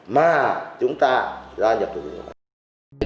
mà chúng ta gia nhập tổ chức tổ chức tổ mại